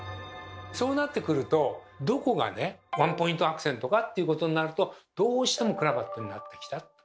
そうなってくるとどこがワンポイントアクセントかっていうことになるとどうしてもクラヴァットになってきたと。